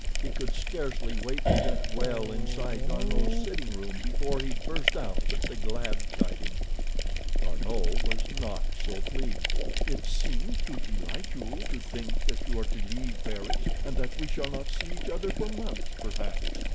He could scarcely wait to get well inside D'Arnot's sitting room before he burst out with the glad tidings. D'Arnot was not so pleased. "It seems to delight you to think that you are to leave Paris, and that we shall not see each other for months, perhaps.